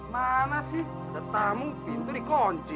mana sih tamu pintu dikunci